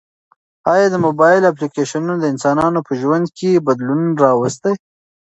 ایا د موبایل اپلیکیشنونه د انسانانو په ژوند کې بدلون راوستی؟